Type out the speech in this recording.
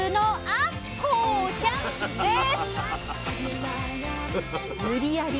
あこうちゃんです。